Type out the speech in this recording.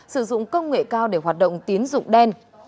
sử dụng công nghệ cao để hoạt động tiến dụng đen